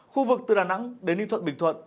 khu vực từ đà nẵng đến ninh thuận bình thuận